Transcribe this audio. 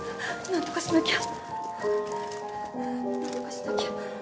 何とかしなきゃ！